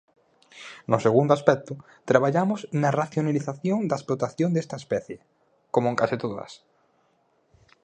No segundo aspecto, traballamos na racionalización da explotación desta especie, como en case todas.